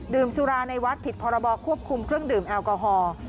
สุราในวัดผิดพรบควบคุมเครื่องดื่มแอลกอฮอล์